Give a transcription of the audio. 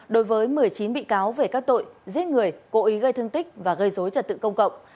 đối với một mươi chín bị cáo về các tội giết người cố ý gây thương tích và gây dối trật tự công cộng